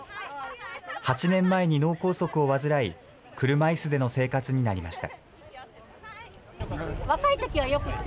８年前に脳梗塞を患い、車いすでの生活になりました。